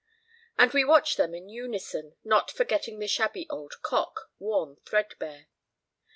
And we watch them in unison, not forgetting the shabby old cock, worn threadbare.